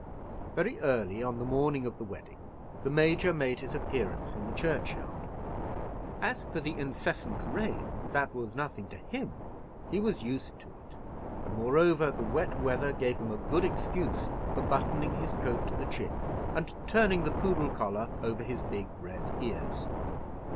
Very early on the morning of the wedding the Major made his appearance in the churchyard. As for the incessant rain, that was nothing to him; he was used to it; and, moreover, the wet weather gave him a good excuse for buttoning his coat to the chin, and turning the poodle collar over his big red ears.